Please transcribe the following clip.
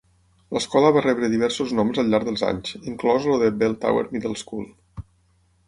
L'escola va rebre diversos noms al llarg dels anys, inclòs el de Bell Tower Middle School.